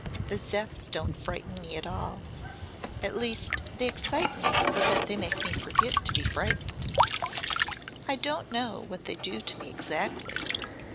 The Zepps don't frighten me at all at least they excite me so that they make me forget to be frightened. I don't know what they do to me exactly.